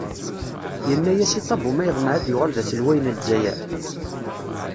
Yenna-yas i Ṭabu ma yeḍmeε ad yuɣal d aselway n Lezzayer?